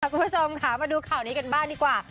คุณผู้ชมค่ะมาดูข่าวนี้กันบ้างดีกว่า